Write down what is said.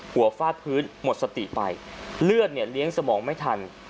ฟาดพื้นหมดสติไปเลือดเนี่ยเลี้ยงสมองไม่ทัน